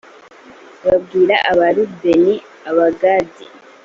babwira l abarubeni abagadi